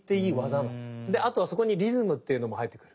で後はそこにリズムっていうのも入ってくる。